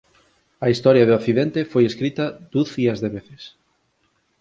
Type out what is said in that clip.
A historia do accidente foi escrita ducias de veces.